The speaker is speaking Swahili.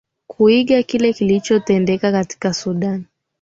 kuiga kile kilicho tendeka katika sudani